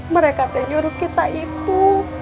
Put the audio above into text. mereka teh nyuruh kita ibu